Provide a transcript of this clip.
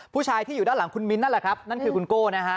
ผู้ชายที่อยู่ด้านหลังคุณมิ้นท์นั่นแหละครับนั่นคือคุณโก้นะฮะ